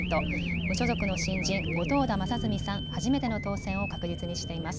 無所属の新人、後藤田正純さん、初めての当選を確実にしています。